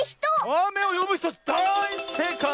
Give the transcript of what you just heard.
あめをよぶひとだいせいかい！